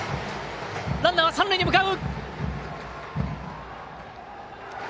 ランナー、三塁へ向かう。